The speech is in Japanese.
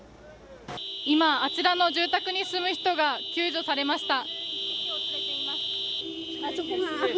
今、あちらの住宅に住む人が救助されました。